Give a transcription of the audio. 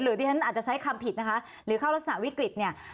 ที่ฉันอาจจะใช้คำผิดนะคะหรือเข้ารักษณะวิกฤตเนี่ย